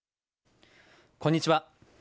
こんにちは。